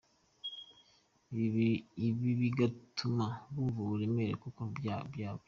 Ii bigatuma bumva uburemere koko bwabyo.